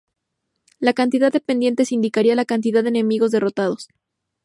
La cantidad de pendientes indicaría la cantidad de enemigos derrotados.